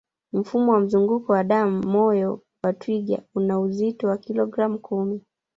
Mfumo wa mzunguko wa damu moyo wa twiga una uzito wa kilogramu kumi